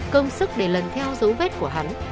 công sức để lần theo dấu vết của hắn